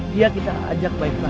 dia kita ajak baik baik